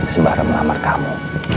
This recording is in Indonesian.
sembara melamar kamu